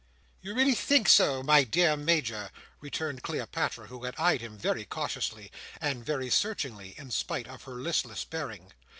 "You really think so, my dear Major?" returned Cleopatra, who had eyed him very cautiously, and very searchingly, in spite of her listless bearing.